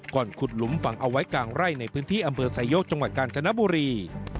ก่อนขุดหลุมฝั่งเอาไว้กางไร่ในพื้นที่อำเบิร์ดสายโยคจังหวัดกาลจนบุรี